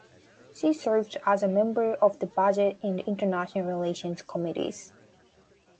She served as a member of the Budget and International Relations Committees.